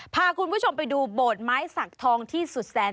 พาคุณผู้ชมไปดูโบสถ์ไม้สักทองที่สุดแสน